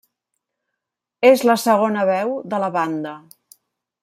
És la segona veu de la banda.